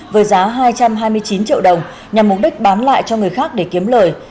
với giá hai trăm hai mươi chín triệu đồng nhằm mục đích bán lại cho người khác để kiếm lời